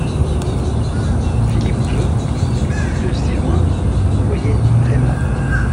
Philippe deux, de si loin, voyait très-mal.